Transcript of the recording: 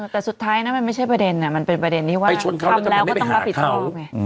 แต่สุดท้ายนะมันไม่ใช่ประเด็นมันเป็นประเด็นที่ว่าทำแล้วก็ต้องรับผิดชอบไง